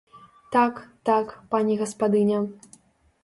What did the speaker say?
Так, так, пані гаспадыня.